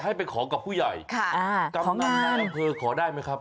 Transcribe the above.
จะขอกับผู้ใหญ่ค่ะอ่าของอาหารคือขอได้มั้ยครับ